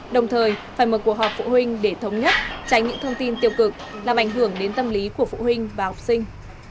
đồng thời phải mở cuộc họp phụ huynh để thống nhất tránh những thông tin tiêu cực làm ảnh hưởng đến tâm lý của phụ huynh và học sinh